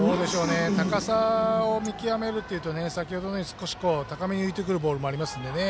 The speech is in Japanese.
高さを見極めるっていうと先ほどのように少し高めに浮いてくるボールもありますのでね。